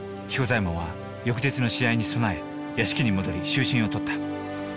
彦左衛門は翌日の試合に備え屋敷に戻り就寝をとった。